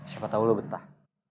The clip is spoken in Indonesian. siapa tau lo betah